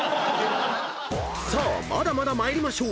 ［さあまだまだ参りましょう］